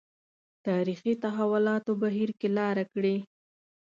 تاریخي تحولاتو بهیر کې لاره کړې.